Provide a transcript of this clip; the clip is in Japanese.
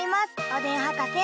おでんはかせ。